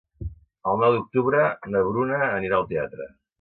El nou d'octubre na Bruna anirà al teatre.